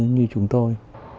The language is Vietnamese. như chúng tôi